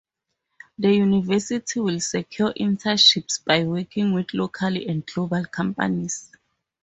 The university will secure internships by working with local and global companies.